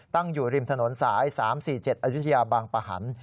ตั้งอยู่ริมถนนสาย๓๔๗อายุทยาบางปะหัน